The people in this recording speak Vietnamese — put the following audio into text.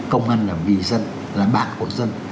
công an là vì dân là bạn của dân